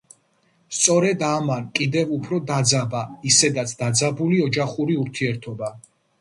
სწორედ ამან, კიდევ უფრო დაძაბა, ისედაც დაძაბული ოჯახური ურთიერთობა.